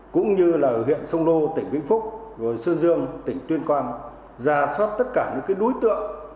cũng như huyện sông lô tỉnh vĩnh phúc sơn dương tỉnh tuyên quang ra soát tất cả đối tượng